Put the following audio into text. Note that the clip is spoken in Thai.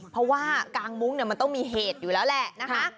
เพราะว่ากางมุ้งเนี่ยมันต้องมีเหตุอยู่แล้วแหละนะคะ